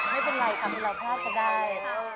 ไม่เป็นไรค่ะคุณเราพลาดก็ได้